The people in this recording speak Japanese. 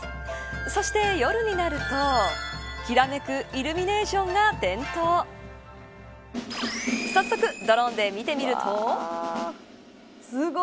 そして夜になるときらめくイルミネーションが点灯早速ドローンで見てみると。